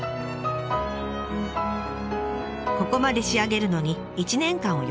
ここまで仕上げるのに１年間を要しました。